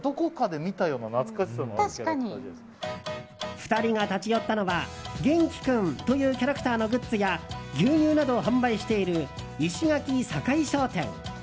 ２人が立ち寄ったのはゲンキ君というキャラクターのグッズや牛乳などを販売している石垣さかい商店。